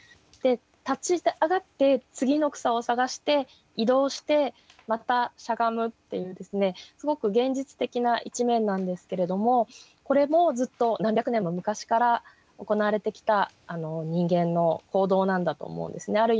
で立ち上がって次の草を探して移動してまたしゃがむっていうすごく現実的な一面なんですけれどもこれもずっと何百年も昔から行われてきた人間の行動なんだと思うんですね。